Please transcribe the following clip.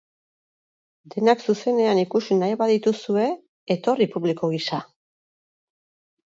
Denak zuzenean ikusi nahi badituzue, etorri publiko gisa!